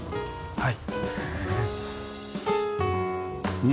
はい。